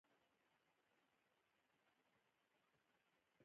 بادام د افغان ځوانانو لپاره ډېره لویه دلچسپي لري.